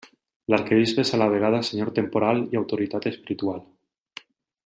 L'arquebisbe és a la vegada senyor temporal i autoritat espiritual.